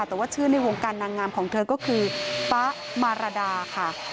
แต่ว่าชื่อในวงการนางงามของเธอก็คือป๊ามารดาค่ะ